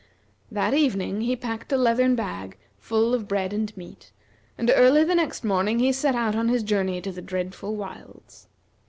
That evening he packed a leathern bag full of bread and meat, and early the next morning he set out on his journey to the dreadful wilds.